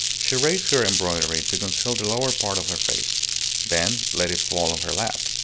She raised her embroidery to conceal the lower part of her face, then let it fall on her lap.